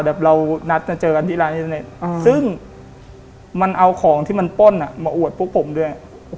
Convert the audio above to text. แบบเรานัดมาเจอกันที่ร้านอินเทอร์เน็ตซึ่งมันเอาของที่มันป้นมาอวดพวกผมด้วย